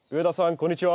こんにちは。